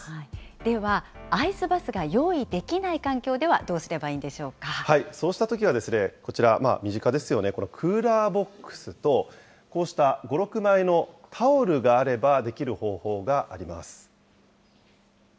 では、アイスバスが用意できない環境ではどうすればいいんでそうしたときは、こちら、身近ですよね、このクーラーボックスと、こうした５、６枚のタオルがあればできる方法があります。